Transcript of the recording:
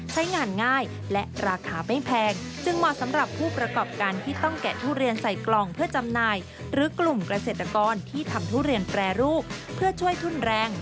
ใช้งานง่ายและราคาไม่แพง